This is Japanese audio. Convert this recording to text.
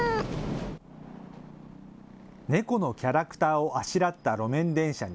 猫のキャラクターをあしらった路面電車に。